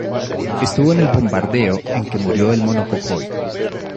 Estuvo en el bombardeo en que murió el Mono Jojoy.